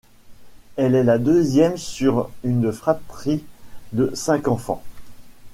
Elle est la deuxième sur une fratrie de cinq enfants.